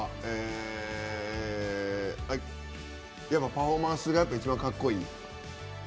パフォーマンスやってる間が一番かっこいい。